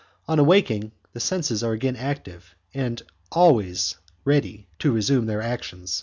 On awaking, the senses are again active and always ready to resume their action.